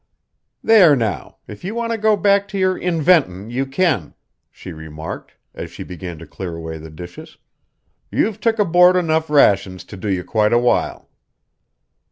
"There now, if you want to go back to your inventin' you can," she remarked, as she began to clear away the dishes. "You've took aboard enough rations to do you quite a while."